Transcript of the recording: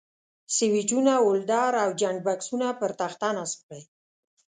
سویچونه، ولډر او جاینټ بکسونه پر تخته نصب کړئ.